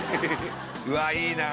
うわいいな